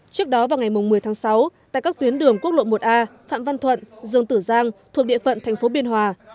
trước đó vào ngày một mươi tháng sáu tại các tuyến đường quốc lộ một a phạm văn thuận dương tử giang thuộc địa phận thành phố biên hòa